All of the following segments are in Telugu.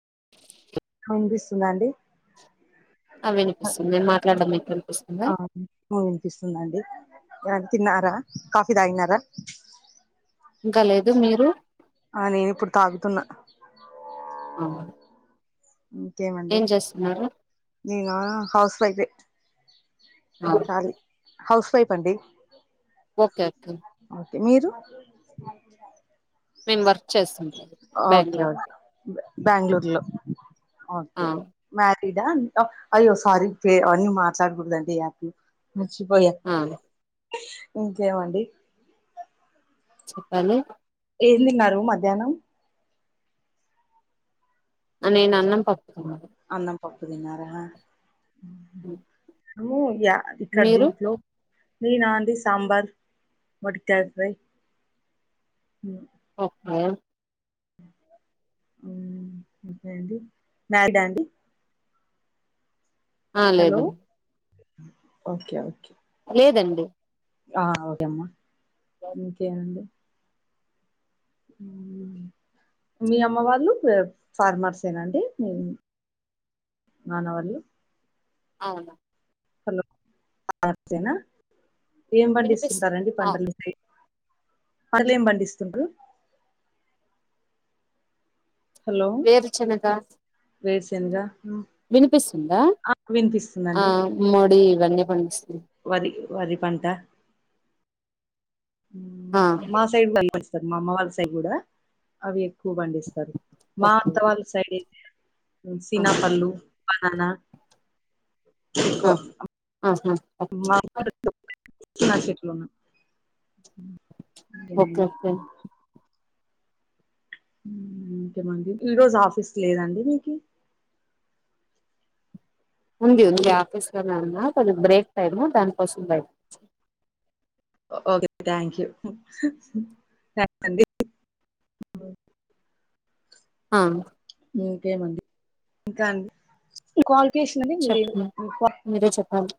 [inaudible] వినిపిస్తుంద అండి. ఆ వినిపిస్తుంది నేను మాట్లాడడం మీకు వినిపిస్తుందా ఆ వినిపిస్తుందండి. మేడం తిన్నారా కాఫీ తాగినారా. ఇంకా లేదు మీరు. ఆ నేను ఇప్పుడు తాగుతున్నా. అహ. నేనా హౌస్ వైఫ్. ఆ హౌస్ వైఫ్ అండి. Okay okay. ఓకే మీరు మేము వర్క్ చేస్తుంటాం ఓకే బెంగళూరు ఓకే బెంగుళూరులో ఆ ఓకే మాకి ఇడ ఇంకా అయ్యో సారీ కే అవ్వాన్ని మాట్లాడకూడదండి మర్చిపోయా ఆ ఇంకేం అండి చెప్పాలి ఏం తిన్నారు మధ్యాహ్నం నేను అన్నం పప్పు తిన్న అన్నం పప్పు తిన్నారా నువ్వు యా ఇక మీరు దీంట్లో నీనా అండి సాంబార్ మోటిక్కయ ప్రై పప్పు అవ్ ఓకే అండి నాద అండి ఆ హలో లేదా ఓకే ఓకే లేదండి ఆ ఓకే అమ్మా ఇంకేం అండి మ్మ్ మీ అమ్మ వాళ్ళు ఫార్మర్స్ ఏ నాండి మనవాళ్ళు అవునా ఏం వినిపిస్తు పండిస్తుంటారండి ఆ పంటలు మీరు వాళ్ళెం పండిస్తుండ్రు వేరు చేనగా వేరు శెనగ వినిపిస్తుందా ఆ వినిపిస్తుందండి మడి ఇవన్ని పండిస్తుంది వరి వరి పంట మ్మ్ ఆ మా సైడ్ [unintelligible] మా అమ్మ వాళ్ళ సైడ్ కూడా అవి ఎక్కువ పండిస్తారు మా ఓకే అత్త వాళ్ళ సైడ్ అయితే ఆ సీనా పళ్ళు బననా ఎక్కువ ఆహ [unintelligible] సీనా చెట్లున్నాయి ఓకే ఓకే ఇంకేం అండి ఈ రోజు ఆఫీస్ లేదండి నీకి ఉంది ఉంది ఆఫీస్ కి వెళ్ళాను కొద్దిగా బ్రేక్ టైము దానికోసం బయటకు వచ్చా ఓకే థ్యాంక్ యూ థ్యాంక్స్ అండి ఓ ఆ ఇంకేం అండి ఇంకా అండి క్వాలిఫికేషన్ మీది చెప్పు ఇంకా మీరే చెప్పాలి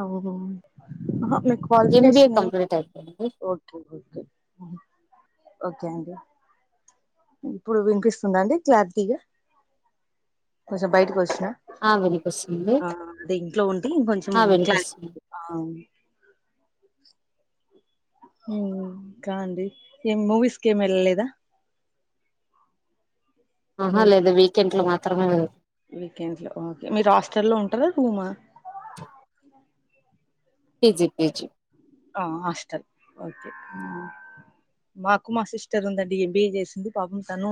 ఓహో ఎంబీఏ క్వాలిఫికేషన్ కంప్లీట్ అయిపోయింది ఓకే ఓకే ఓకే అండి ఇప్పుడు వినిపిస్తుందా అండి క్లారిటీగా కొంచెం బయటకు వొ ఆ వినప ఆ అదే ఇంట్లో ఉంటే ఇంకొంచెం ఆ క్లారిటీ వినిపిస్తుంది ఉండదు మ్మ్ ఇంకా అండి ఏం మూవీస్ కి ఏమ్ వెళ్ళలేదా ఆహా లేదా వీకెండ్ లో మాత్రమే వెళ్ వీకెండ్స్ లో ఓకే మీరు హాస్టల్ లో ఉంటారా రూమా పీజీ పీజీ ఆ హాస్టల్ ఓకే ఉమ్ మాకు మా సిస్టర్ ఉందండి ఎంబిఏ జేసింది పాపం తను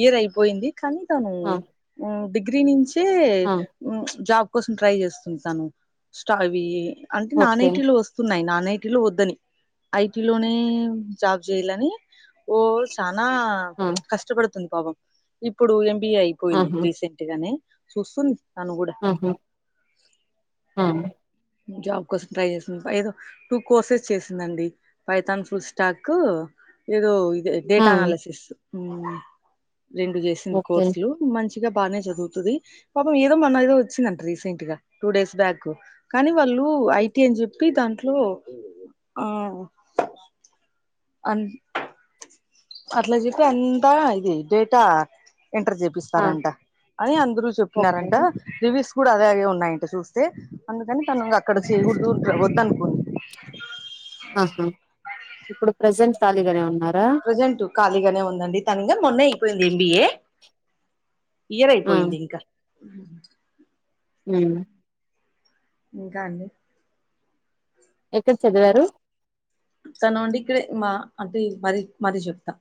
ఇయర్ అయిపోయింది కానీ తను ఆ డిగ్రీ నుంచే ఆ జాబ్ కోసం ట్రై చేస్తుంది తను అవి అంటే నాన్ ఓకే ఐటి లో వస్తున్నాయి నాన్ ఐటి లో వద్దని ఐటి లోనే జాబ్ జేయాలని ఓ చానా ఆ కష్టపడుతుంది పాపం ఇప్పుడు ఎం బిఏ అయిపోయింది రీసెంట్ గనే చూస్తుంది తను కూడా ఉమ్ హు ఉమ్ జాబ్ కోసం ట్రై జేసుంది ఏదో టూ కోర్సెస్ చేసిందండి పైథాన్ ఫుల్ స్టాకు ఏదో ఇదే ఆ డేటా అనాలసిస్ ఉమ్ రెండు చేసింది ఓకే కోర్సులు మంచి ఇగ బానే చదువుతది పాపం ఏదో మొన్న ఏదో వచ్చిందంట రీసెంట్ గా టూ డేస్ బ్యాక్ కానీ వాళ్ళు ఐటి అని చెప్పి దాంట్లో ఆ అం అట్లా జెప్పి అంత ఇది డేటా ఎంటర్ ఆ చేపిస్తారంట అని అందరు ఓకే చెప్పుతున్నారంట రివిస్ కూడా అదే అయి ఉన్నాయంట చూస్తే అందుకని తను అక్కడ చేయగూడదు వద్దను [inaudible] ఆహా ఇప్పుడు ప్రజెంట్ ఖాళీగానే ఉన్నార ప్రజెంట్ ఖాళీగానే ఉందండి తను ఇంగా మొన్న అయిపోయింది ఎంబిఏ ఇయర్ ఆ అయిపోయింది ఇంకా ఉమ్ ఇంకా అండి ఎక్కడ చదివారు తను అండి ఇక్కడే మా అంటే మరి మరీ జెప్తా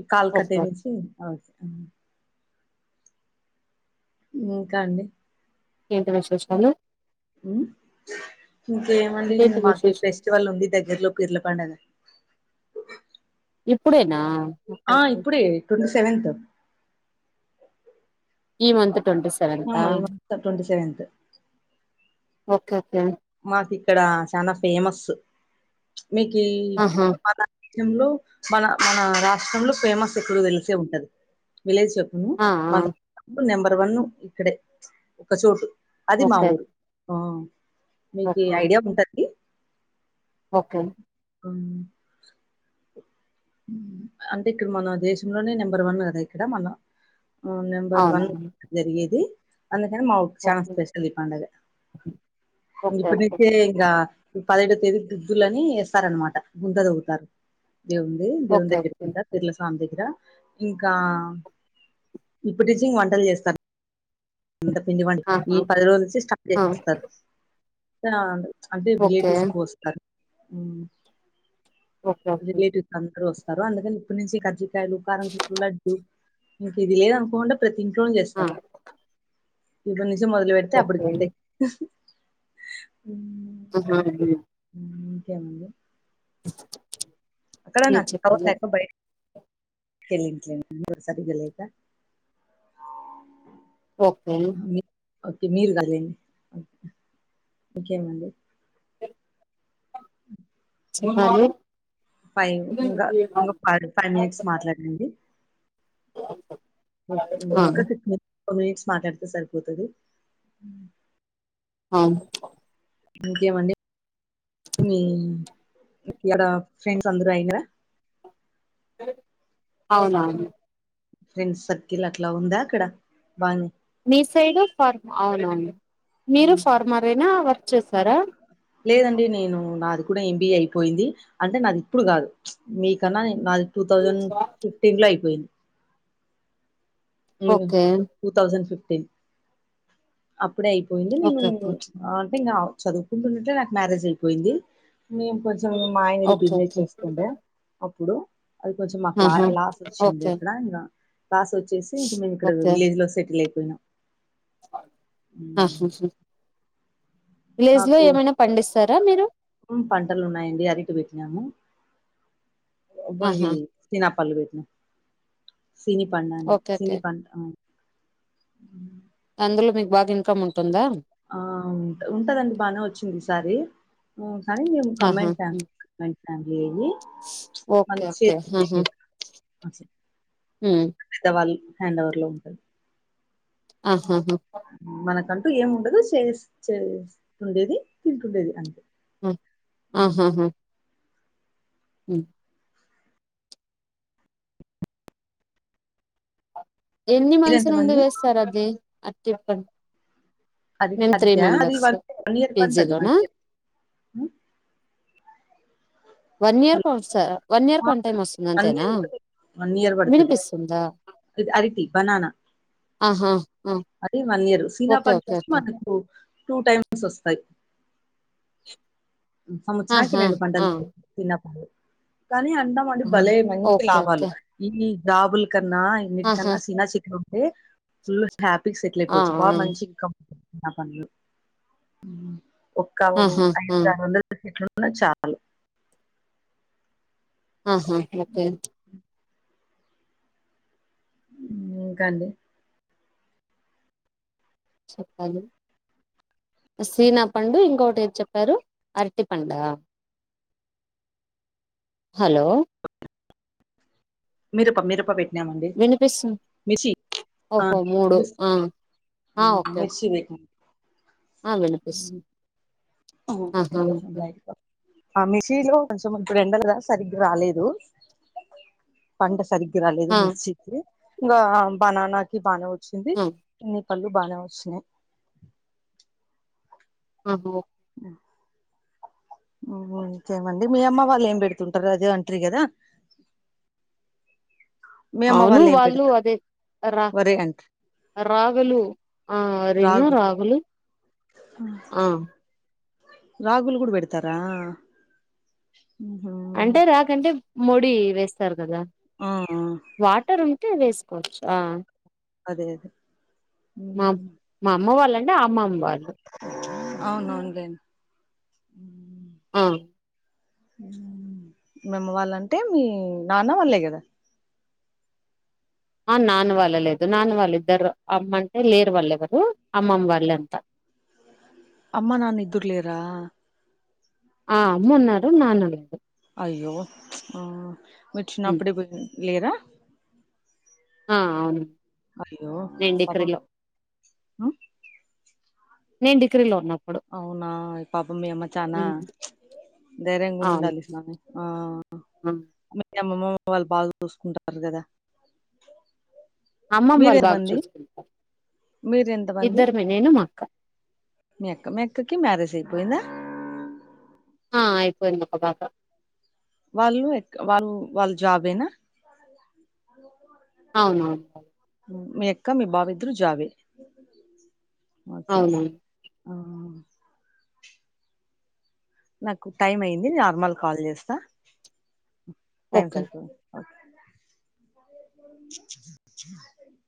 ఈ కాల్ ఓకే కట్టేమిసి అ ఇంకా అండి ఏంటి విశేషాలు ఉమ్ ఇంకేమండి ఇంగ ఇంకేంటి మాకు విశేషాలు ఫెస్టివల్ ఉంది దగ్గరలో పీర్లపండగ ఇప్పుడేనా ఓకే ఆ ఓకే ఇప్పుడే ట్వంటీ సెవెన్త్ ఈ మంత్ ట్వంటీ సెవెన్తా ఈ month twenty seventh. Okay okay మాకు ఇక్కడ చాలా ఫేమస్ మీకీ ఆహా యంలో మన మన రాష్ట్రంలో ఫేమస్ ఇప్పుడు దెలిసే ఉంటది విలేజ్ చెప్పను ఆ ఆ మన నెంబర్ వన్ ఇక్కడే ఒక చోటు అది మా ఓకే ఊరు ఆ మీకు ఓకే ఐడియా ఉంటది ఓకే ఉమ్ అంటే ఇక్కడ మన దేశంలోనే నెంబర్ వన్ గదా ఇక్కడ మన ఆ నెంబర్ వన్ అవునవును జరిగేది అందుకనీ మా ఊరు చానా ఓకే స్పెషల్ ఈ పండగ ఓకే ఇప్పుడు ఓకే నుంచే ఇగ పదేడవ తేదీ గుద్దులని వేస్తారన్నమాట గుంత దొవుతారు దేవుంది దేవుని ఓకే దగ్గరి ఓకే కంట పిర్ల స్వామి ద గ్గర ఇంకా ఇప్పుడు నుంచి వంటలు చేస్తారు అంత పిండి బడి ఈ ఆహా పది రోజుల నుంచి స్టార్ట్ ఆ చేసేస్తారు అంటే ఓకే రిలేటివ్స్ కోస్తారు ఉమ్ ఓకే ఓకే రిలేటివ్స్ అందరు వస్తారు అందుకని ఇప్పటి నుంచి కాజ్జికాయలు కారం చుట్లు లడ్డు మీకు ఇది లేదనుకోకుండా ప్రతి ఇంట్లోనే ఆ చేస్తారు ఇప్పుడు నుంచి మొదలు పెడితే అప్పుడుకి ఓకే అయితాయి ఆహ ఇంకేమండి అక్కడ నా మీరు [unintelligible] [unintelligible] చెప్పాలి ఓకే ఓకే మీరు కదండి ఇంకేమండి అ చెప్పండి ఫైవ్ ఇంకా ఇంకా ఫ ఫైవ్ మినిట్స్ మాట్లాడండి ఓకే ఆ ఇంకా సిక్స్ మిన్ టూ మినిట్స్ మాట్లాడితే సరిపోతాది అ ఇంకేమండి మీ ఇక్కడ ఫ్రెండ్స్ అందరు అయినారా అవునవును ఫ్రెండ్స్ సర్కిల్ అట్లా ఉందా అక్కడ బానే మీ సైడ్ ఫర్మ్ అవునువును మీరు హ్మ్. ఫార్మర్ ఏ నా వర్క్ చేస్తారా లేదండి నేను నాది కూడా ఎంబీఏ అయిపోయింది అంటే నాది ఇప్పుడు కాదు మీకన్నా నే నాది టూ థౌజండ్ ఫిఫ్టీన్ లో అయిపోయింది ఓకే టూ థౌసండ్ ఫిఫటీన్ ఇప్పుడే అయిపోయింది నేను ఓకే ఓకే అంటే ఇంకా చదువుకుంటున్నట్లే నాకు మ్యారేజ్ అయిపోయింది మేము కొంచెం మా ఆయనా ఏదో ఓకే బిజినెస్ ఓకే చేస్తుండా అప్పుడు అది కొంచెం మాకు లా ఆహా లాస్ వచ్చింది ఓకే అక్కడ ఇంకా లాస్ వచ్చేస్ కి ఇంకా మేము ఇక్కడ విలేజ్ లో సెటిల్ అయిపోయినాం ఆహ మ్మ్. విలేజ్ లో నాకు ఏమైనా పండిస్తారా మీరు పంటలు ఉన్నాయండి అరిటి పెట్టినాము ఆహా ఇవి తిన పళ్ళు పెట్టినం సినీ పండని ఓకే సిన ఓకే పం ఆ ఉ అందులో మీకు బాగా ఇన్కమ్ ఉంటుందా ఆ ఉ ఉంటదండి బానే వచ్చింది ఈసారి కానీ మేము ఆహా కాంబిన్డ్ ఉమ్. ఫ్యామిలీ కాంబిన్డ్ ఫ్యామిలీ ఇది ఓకే మంచి ఓకే హ్మ్ వాళ్ళు హ్యాండ్ ఓవర్ లో ఉంటది ఆహాహా మనకం టూ ఏముండదు షేర్స్ చేస్తుండేది తింటుండేది అంతే ఆహా ఉ ఎన్ని మంత్స్ నుండి మీరెంతమంది వేస్తారు అది అటిపాం అది [inaudible] మేము త్రీ అద్దా అది మెంబర్స్ వన్ వన్ ఇయర్ పంట అది వన్ పీజీలోనా ఇయర్ వన్ ఇయర్ ఒక sir one year one time వస్తుంది వన్ అంతేనా ఇయర్ వన్ ఇయర్ పడుతది వినిపిస్తుందా ఇది అరటి బనానా ఆహా ఆ అది ఓకే ఓకే [inaudible] ఓకే మనకు టూ టైమ్స్ వస్తాయి సంవత్సరానికి ఆహా రెండు ఆ, పంటలు [inaudible] కానీ అంటాం అండి ఉమ్, భలే మంచి ఓకే లాభాలు ఓకే ఈ జాబులు కన్నా ఆహా ఇన్నిటికన్నా సిన చెట్లా ఉంటే ఫుల్ హ్యాపీ సెటిల్ ఆ, అయిపోవచ్చు ఆ, బాగా మంచి ఒక ఆహా ఆ, అయిదు ఆరు వందలు [inaudible] అన్న చాలు ఆహా ఓకే ఇంకా అండి చెప్పాలి సీనా పండు ఇంకొకటి ఏది చెప్పారు అరటి పండ హలో మీరపా మీరపా పెట్టినం అండి వినిపిస్తుంది మిర్చి ఆ ఓహో మూడు ఆ ఆ ఓకే మెర్చి ఓకే పే ఆ వినిపిస్తా [inaudible] ఆ మార్చిలో లో కొంచెం ఇప్పుడూ ఎండాలదా సరిగ్గా రాలేదు పంట సరిగ్ కి రాలేదు ఆ మిర్చికి ఇంకా బనానా కి బానే వచ్చింది ఆ కళ్ళు బాగానే వస్తునయి ఆహ ఆ ఇంకేం అండి మీ అమ్మ వాళ్ళు ఏం పెడుతుంటారు అదే అంటిరు కదా మీ అమ్మ అవును ఏం వాళ్ళు పెడతారు అదే రా వరే అంటారు రాగులు ఆ అరేనా రాగులు ఆ రాగులు కూడా పెడతారా అంటే రాకంటే మోడి వేస్తారు కదా ఆ టే వేసుకోవచ్చు ఆ అదే అదే మా మా అమ్మ వాళ్ళంటే అమ్మమ్మ వాళ్ళు అవును అవునులే అవును మీ అమ్మ వాళ్ళంటే మీ నాన్న వాళ్ళే కదా మా నాన్న వాళ్ళ లేదు నాన్న వాళ్ళు ఇద్దరు అమ్మంటే లేరు వాళ్ళు ఎవరు అమ్మమ్మ వాళ్ళ అంత అమ్మా నాన్న ఇద్దరులేరా ఆ అమ్మ ఉన్నారు నాన్న లేదు అయ్యో మీ హ్మ్. చినపుడే లేరా ఆ అవును అయ్యో నేను పాపం డిగ్రీలో నేను డిగ్రీ లో ఉన్నా అవునా పాపం మీ అమ్మ చానా హ్మ్. దైర్యం అవును గుండాలి సమయం ఆ ఆ! మీ అమ్మమ్మ వాళ్ళు బాగా చూసుకుంటారు కదా అమ్మమ్మ వాళ్ళు బాగా మీరేమంది చూసుకుంటారు మీరు ఎంతమంది ఇద్దరమే నేను మా అక్క మీ అక్కకి మ్యారేజ్ అయిపోయింద ఆ ఆయిపోయింది ఒక పాప వాళ్ళు ఎ వాళ్ళు వాళ్ళు జాబేనా అవునవును మీ అక్క మీ బాబు ఇద్దరు జాబే ఒకే అవునవును ఆ నాకు టైం అయింది నార్మల్ కాల్ చేస్తా టైం ఓకే సరిపోదు ఒ